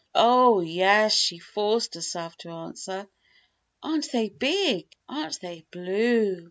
"Oh, yes!" she forced herself to answer. "Aren't they big? Aren't they blue?